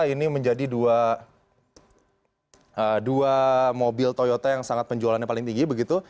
ini menjadi dua mobil toyota yang sangat penjualannya paling tinggi begitu